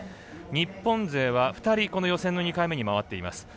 日本勢は２人、予選の２回目に回っています。